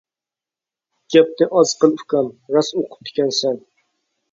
-گەپنى ئاز قىل ئۇكام، راست ئوقۇپتىكەنسەن.